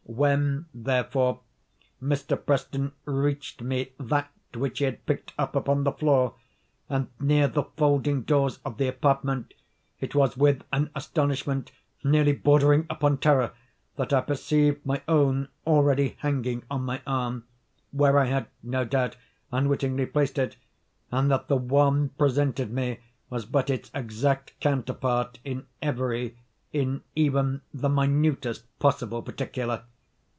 When, therefore, Mr. Preston reached me that which he had picked up upon the floor, and near the folding doors of the apartment, it was with an astonishment nearly bordering upon terror, that I perceived my own already hanging on my arm, (where I had no doubt unwittingly placed it,) and that the one presented me was but its exact counterpart in every, in even the minutest possible particular.